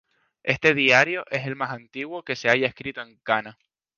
Este diario es el más antiguo que se haya escrito en kana.